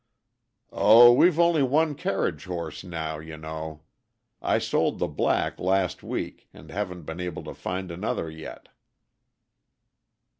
"Oh! we've only one carriage horse now, you know. I sold the black last week, and haven't been able to find another yet."